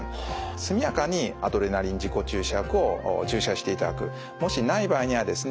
速やかにアドレナリン自己注射薬を注射していただく。もしない場合にはですね